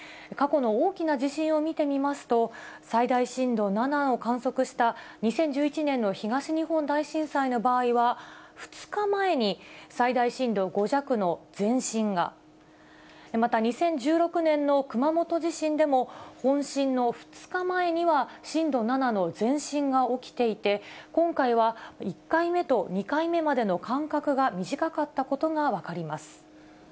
過去の大きな地震を見てみますと、最大震度７を観測した、２０１１年の東日本大震災の場合は、２日前に最大震度５弱の前震が、また２０１６年の熊本地震でも、本震の２日前には、震度７の前震が起きていて、今回は、１回目と２回目までの間隔が短かったことが分かります。